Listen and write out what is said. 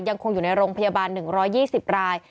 ยังคงอยู่ในโรงพยาบาล๑๒๐ราย